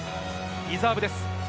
リザーブです。